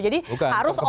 jadi harus orang